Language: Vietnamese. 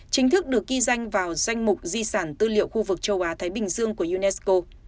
chính thức được ghi danh vào danh mục di sản tư liệu khu vực châu á thái bình dương của unesco